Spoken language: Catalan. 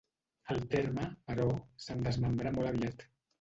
El terme, però, se'n desmembrà molt aviat.